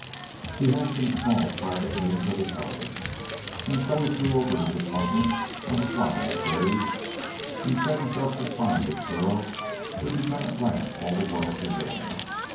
He had some small private means of his own, and so he threw over his appointment on the flying stage, and set himself to find this girl who had become at last all the world to him.